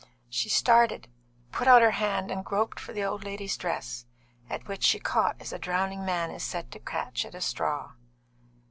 She started, put out her hand, and groped for the old lady's dress, at which she caught as a drowning man is said to catch at a straw.